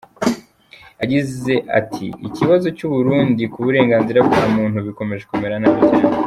Yagize ati “Ikibazo cy’u Burundi ku burenganzira bwa muntu bikomeje kumera nabi cyane.